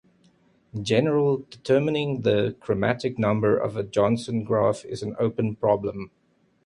In general, determining the chromatic number of a Johnson graph is an open problem.